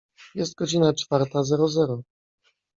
Jest godzina czwarta zero zero.